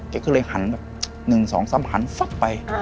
แกก็เลยหันแบบ๑๒๓หันฟับไป